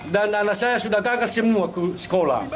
dan anak saya sudah gagal semua ke sekolah